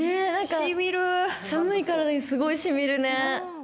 寒い体にすごいしみるね。